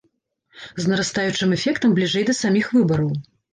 З нарастаючым эфектам бліжэй да саміх выбараў.